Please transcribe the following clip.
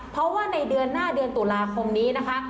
เพราะว่าในเดือนหน้าเดือนตุลาคมนี้นะคะ